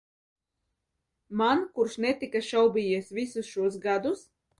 Man, kurš netika šaubījies visus šos gadus?